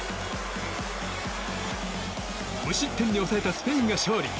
無失点に抑えたスペインが勝利。